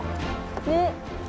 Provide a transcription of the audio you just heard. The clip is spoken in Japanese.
ねっ。